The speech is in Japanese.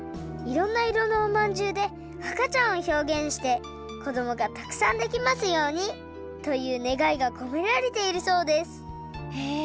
いろんないろのおまんじゅうであかちゃんをひょうげんしてこどもがたくさんできますようにというねがいがこめられているそうですへえ！